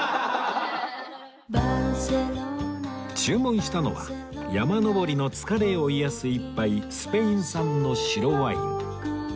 注文したのは山登りの疲れを癒やす１杯スペイン産の白ワイン